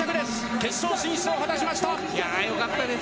決勝進出を果たしました！